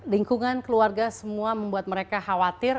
lingkungan keluarga semua membuat mereka khawatir